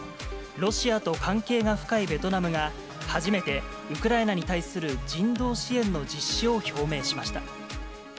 ロシアと関係が深いベトナムが、初めてウクライナに対する人道支援の実施を表明しました。